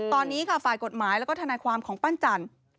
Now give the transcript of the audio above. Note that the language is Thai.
ตอนนี้ค่ะฝ่ายกฎหมายแล้วก็ทนายความของปั้นจันทร์